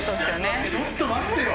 ちょっと待ってよ。